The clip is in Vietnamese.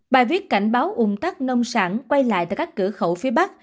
bài viết cảnh báo ung tắc nông sản quay lại tại các cửa khẩu phía bắc